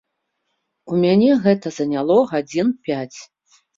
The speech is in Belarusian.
У мяне гэта заняло гадзін пяць.